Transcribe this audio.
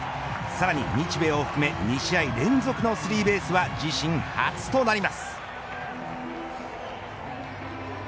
さらに日米を含め２試合連続のスリーベースは自身初となります。